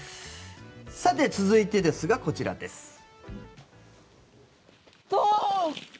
続いてですが、こちらです。